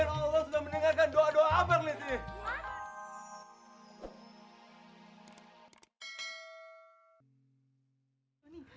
dan allah sudah mendengarkan doa doa abang nessie